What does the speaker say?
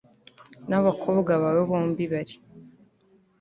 n abakobwa bawe bombi bari